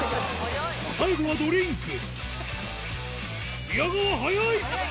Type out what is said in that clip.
最後はドリンク宮川早い！